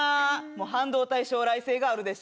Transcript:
半導体将来性があるでしょ？